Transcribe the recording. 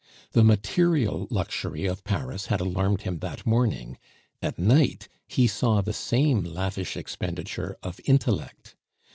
The material luxury of Paris had alarmed him that morning; at night he saw the same lavish expenditure of intellect.